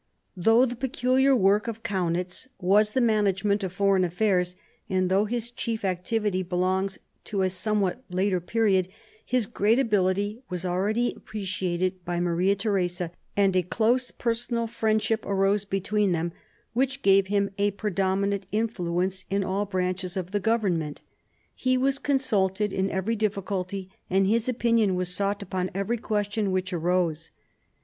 Though the peculiar work of Kaiinitz was the management of foreign affairs, and though his chief activity belongs to a somewhat later period, his great ability was already appreciated by Maria Theresa, and a close personal friendship arose between them, which gave him a predominant influence in all branches of the government He was consulted in every difficulty, and his opinion was sought upon every question which arose.